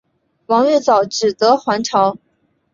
王玉藻只得还朝。